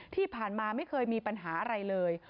ที่ผ่านมาไม่เคยมีปัญหาอะไรเลย